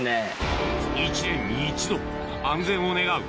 １年に１度安全を願う